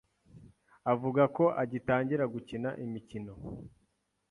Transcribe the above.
avuga ko agitangira gukina imikino